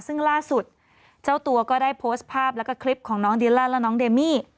ซึ่งล่าสุดเจ้าตัวก็ได้โพสต์ภาพแล้วก็คลิปของน้องดีล่าและน้องเดมี่